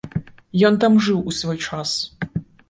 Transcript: Ён там жыў у свой час.